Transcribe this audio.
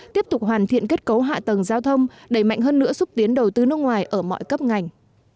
tiếp tục hoàn thiện kết cấu hạ tầng giao thông đẩy mạnh hơn nữa xúc tiến đầu tư nước ngoài ở mọi cấp ngành